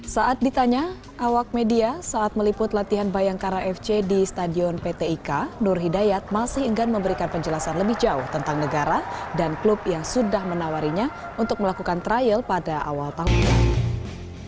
saat ditanya awak media saat meliput latihan bayangkara fc di stadion pt ika nur hidayat masih enggan memberikan penjelasan lebih jauh tentang negara dan klub yang sudah menawarinya untuk melakukan trial pada awal tahun ini